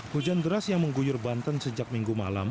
hujan deras yang mengguyur banten sejak minggu malam